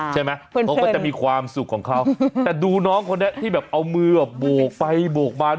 เขาก็จะมีความสุขของเขาแต่ดูน้องคนเนี่ยที่แบบเอามือบวกไปบวกมา